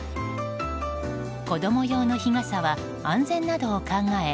子供用の日傘は安全などを考え